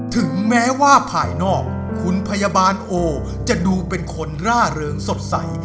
ถึงแม้ว่าภายนอกคุณพยาบาลโอจะดูเป็นคนร่าเริงสดใส